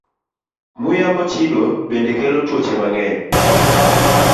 Muya mochido bende kelo tuoche mang'eny.